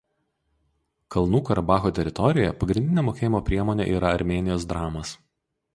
Kalnų Karabacho teritorijoje pagrindinė mokėjimo priemonė yra Armėnijos dramas.